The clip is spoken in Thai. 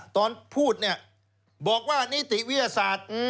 ตอนพูดเนี่ยบอกว่านิติวิทยาศาสตร์